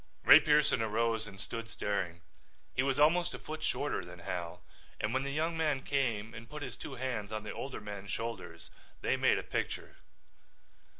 Ray Pearson arose and stood staring. He was almost a foot shorter than Hal, and when the younger man came and put his two hands on the older man's shoulders they made a picture.